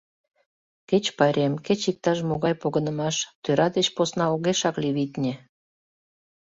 Кеч пайрем, кеч иктаж-могай погынымаш — тӧра деч посна огешак лий, витне.